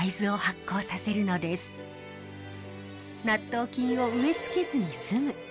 納豆菌を植え付けずに済む。